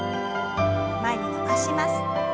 前に伸ばします。